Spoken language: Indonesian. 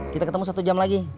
kita ketemu satu jam lagi